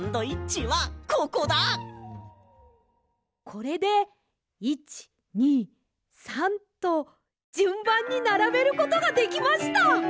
これで１２３とじゅんばんにならべることができました。